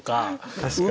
確かに。